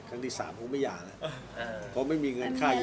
ครั้งที่สามก็ไม่ย่าแล้วเพราะไม่มีเหินค่าอย่างไหน